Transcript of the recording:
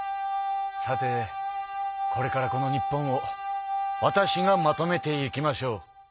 さてこれからこの日本をわたしがまとめていきましょう。